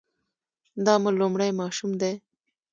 دا مو لومړی ماشوم دی؟